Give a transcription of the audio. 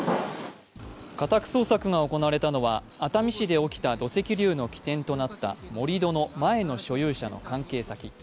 家宅捜索が行われたのは熱海市で起きた土石流の起点となった盛り土の前の所有者の関係先。